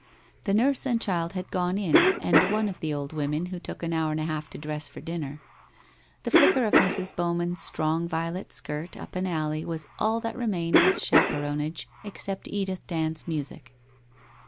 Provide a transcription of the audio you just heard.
The nurse and child had gone in, and one of the old women, who took an hour and a half to dress for dinner. The flicker of Mrs. Bowman's strong violet skirt up an alley was all that remained of chapcronage except Edith Dand's music.